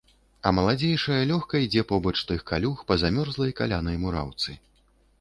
А маладзейшая лёгка ідзе побач тых калюг па змёрзлай, калянай мураўцы.